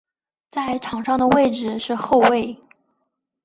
在场上的位置是后卫。